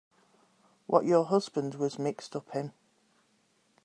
What your husband was mixed up in.